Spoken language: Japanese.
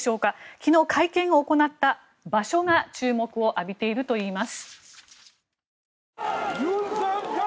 昨日、会見を行った場所が注目を浴びているといいます。